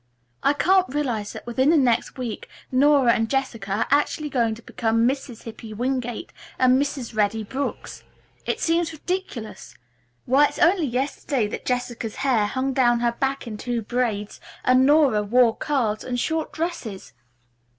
"I can't realize that, within the next week, Nora and Jessica are actually going to become Mrs. Hippy Wingate and Mrs. Reddy Brooks. It seems ridiculous. Why it's only yesterday that Jessica's hair hung down her back in two braids, and Nora wore curls and short dresses."